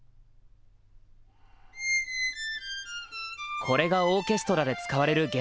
これがオーケストラで使われる弦楽器。